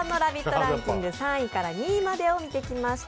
ランキング３位から２位を見てきました。